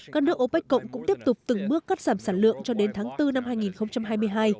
các nước opec cộng cũng tiếp tục từng bước cắt giảm sản lượng cho đến tháng bốn năm hai nghìn hai mươi hai